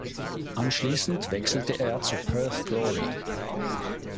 Anschließend wechselte er zu Perth Glory.